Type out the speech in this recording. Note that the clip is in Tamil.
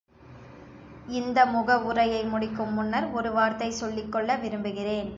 இந்த முகவுரையை முடிக்கும் முன்னர் ஒரு வார்த்தை சொல்லிக் கொள்ள விரும்புகிறேன்.